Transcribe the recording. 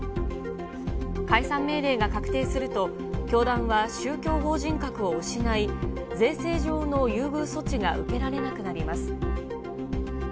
解散命令が確定すると、教団は宗教法人格を失い、税制上の優遇措置が受けられなくなります。